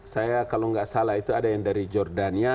saya kalau nggak salah itu ada yang dari jordania